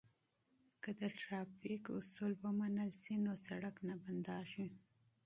که ترافیکي اصول مراعات کړو نو سړک نه بندیږي.